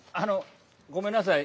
ごめんなさい。